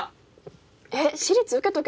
えっ私立受けとけば？